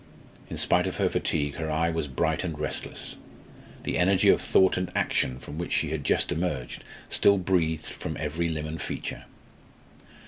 In spite of her fatigue, her eye was bright and restless. The energy of thought and action from which she had just emerged still breathed from every limb and feature.